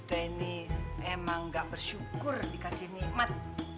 kita ini emang gak bersyukur dikasih nikmat